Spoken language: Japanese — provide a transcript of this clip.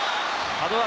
門脇。